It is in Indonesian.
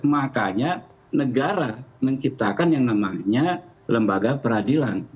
makanya negara menciptakan yang namanya lembaga peradilan